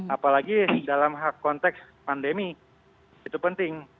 apalagi dalam konteks pandemi itu penting